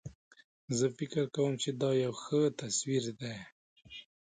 زه فکر کوم چې دا یو ښه تصویر ده